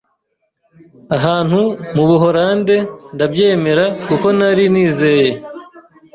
ahantu mu buholande ndabyemera kuko nari nizeye